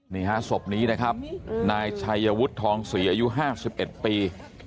นี่ฮะศพนี้นะครับนายชัยวุทธองศรีอายุห้าสิบเอ็ดปี